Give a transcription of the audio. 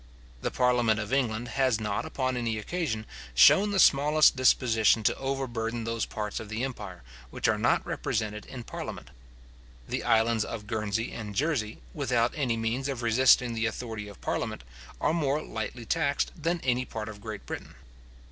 The parliament of England has not, upon any occasion, shewn the smallest disposition to overburden those parts of the empire which are not represented in parliament. The islands of Guernsey and Jersey, without any means of resisting the authority of parliament, are more lightly taxed than any part of Great Britain.